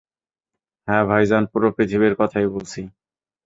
হ্যাঁ, ভাইজান, পুরো পৃথিবীর কথাই বলছি!